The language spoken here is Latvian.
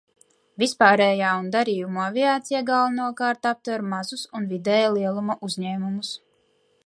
Vispārējā un darījumu aviācija galvenokārt aptver mazus un vidēja lieluma uzņēmumus.